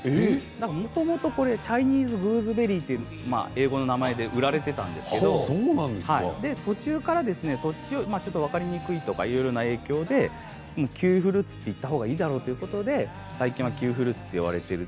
もともとはチャイニーズグーズベリーという英語の名前で売られていたんですけど途中から分かりにくいとかいろいろな影響でキウイフルーツといったほうがいいだろうということで最近はキウイフルーツと言われている。